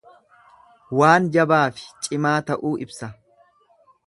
Waan jabaafi cimaa ta'uu ibsa.